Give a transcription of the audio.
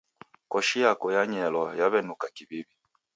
Koshi yako yanyelwa yaw'enuka kiw'iw'i.